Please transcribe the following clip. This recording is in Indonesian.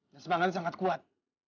dan semangatnya sangat kuat